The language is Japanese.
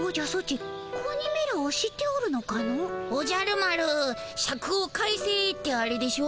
「おじゃる丸シャクを返せ」ってあれでしょ？